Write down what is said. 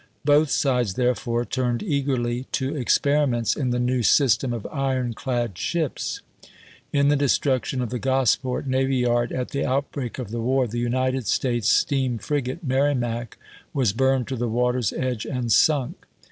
Both sides therefore turned eagerly to experiments in the new system of iron clad ships. In the destruction of the Gosport navy yard at the outbreak of the war, the United States steam frigate Merrimac was burned to the water's edge and sunk.